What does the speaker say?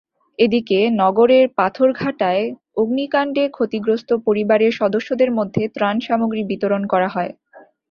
এদিকে নগরের পাথরঘাটায় অগ্নিকাণ্ডে ক্ষতিগ্রস্ত পরিবারের সদস্যদের মধ্যে ত্রাণসামগ্রী বিতরণ করা হয়।